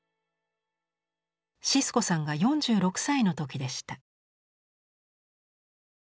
シスコさんが４６歳の時でした。